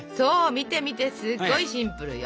見て見てすっごいシンプルよ！